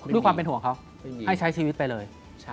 ด้วยความเป็นห่วงเขาให้ใช้ชีวิตไปเลย